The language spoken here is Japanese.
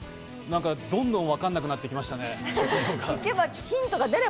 どんどん、わかんなくなってきましたね。